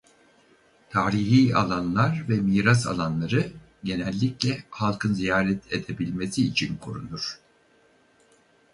Tarihî alanlar ve miras alanları genellikle halkın ziyaret edebilmesi için korunur.